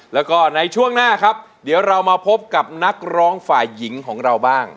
แล้วก็ในช่วงหน้าครับเดี๋ยวเรามาพบกับนักร้องฝ่ายหญิงของเราบ้าง